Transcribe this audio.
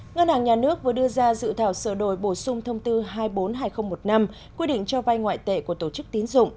ngân hàng nhà nước vừa đưa ra dự thảo sửa đổi bổ sung thông tư hai trăm bốn mươi hai nghìn một mươi năm quy định cho vay ngoại tệ của tổ chức tín dụng